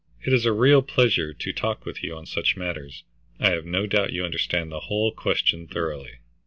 It is a real pleasure to talk with you on such matters. I have no doubt you understand the whole question thoroughly."